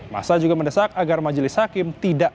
masa juga mendesak agar majelis hakim tidak